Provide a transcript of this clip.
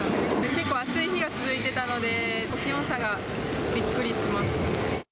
結構暑い日が続いてたので、気温差がびっくりします。